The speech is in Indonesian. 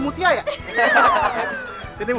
muter gak bisa jalan loh